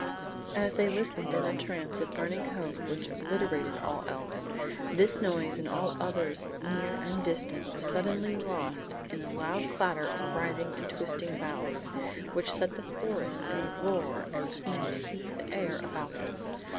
As they listened in a trance of burning hope which obliterated all else, this noise and all others near and distant, was suddenly lost in a loud clatter of writhing and twisting boughs which set the forest in a roar and seemed to heave the air about them.